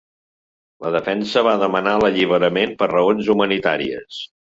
La defensa va demanar l’alliberament per raons humanitàries.